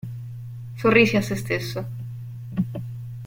Sorrise a sé stesso.